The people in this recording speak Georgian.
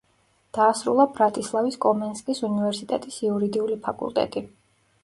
დაასრულა ბრატისლავის კომენსკის უნივერსიტეტის იურიდიული ფაკულტეტი.